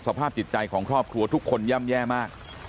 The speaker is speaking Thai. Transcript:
สภาพจิตใจของครอบครัวทุกคนย่ำแย่มาก